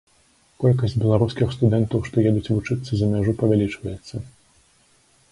Колькасць беларускіх студэнтаў, што едуць вучыцца за мяжу, павялічваецца.